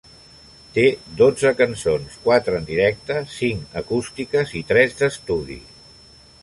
Té dotze cançons: quatre en directe, cinc acústiques i tres d'estudi.